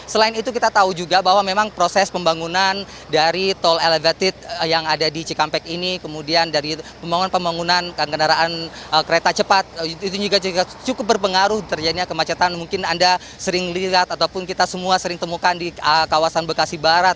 selain itu kita tahu juga bahwa memang proses pembangunan dari tol elevated yang ada di cikampek ini kemudian dari pembangunan pembangunan kendaraan kereta cepat itu juga cukup berpengaruh terjadinya kemacetan mungkin anda sering lihat ataupun kita semua sering temukan di kawasan bekasi barat